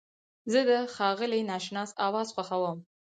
زه د ښاغلي ناشناس اواز خوښوم.